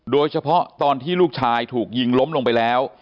โดยเฉพาะตอนที่ลูกชายถูกยิงล้มลงไปแล้ว